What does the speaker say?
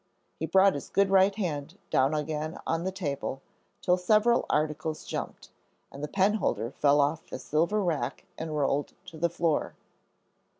He brought his good right hand down again on the table, till several articles jumped, and the penholder fell off the silver rack and rolled to the floor.